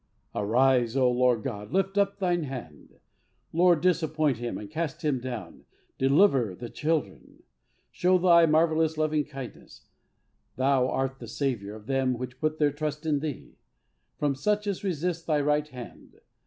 Arise, O Lord God, lift up Thine hand! Up, Lord, disappoint him, and cast him down; deliver the children! Show Thy marvellous lovingkindness, Thou that art the Saviour of them which put their trust in Thee, from such as resist Thy right hand.